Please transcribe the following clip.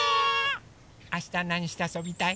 あしたなにしてあそびたい？